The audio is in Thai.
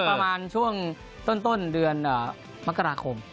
ประมาณช่วงต้นเดือนมกราคม